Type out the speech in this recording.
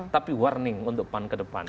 tapi warning untuk pan kedepan